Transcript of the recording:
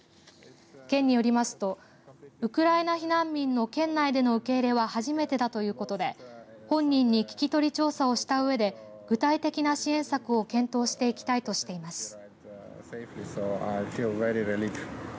県によりますとウクライナ避難民の県内での受け入れは初めてだということで本人に聞き取り調査をしたうえで具体的な支援策を検討していきたいとしています。